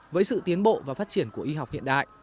với sự tiến bộ và phát triển của y học hiện đại